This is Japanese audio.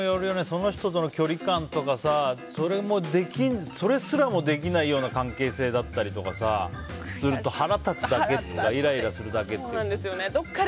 その人との距離感とかそれすらもできないような関係性だったりすると腹立つというかイライラするだけというか。